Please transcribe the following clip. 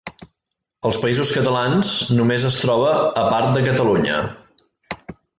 Als Països Catalans només es troba a part de Catalunya.